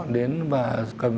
điện tập hai